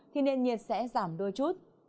thì nền nhiệt sẽ giảm đôi chút